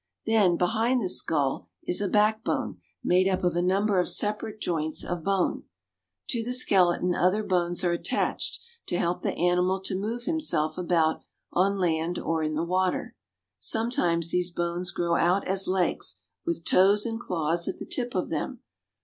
Then behind the skull is a backbone made up of a number of separate joints of bone. To the skeleton other bones are attached to help the animal to move himself about on land or in the water. Sometimes these bones grow out as legs, with toes and claws at the tip of them.